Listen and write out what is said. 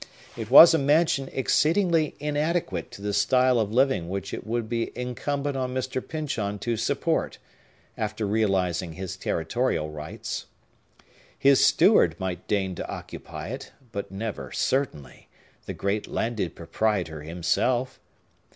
It was a mansion exceedingly inadequate to the style of living which it would be incumbent on Mr. Pyncheon to support, after realizing his territorial rights. His steward might deign to occupy it, but never, certainly, the great landed proprietor himself.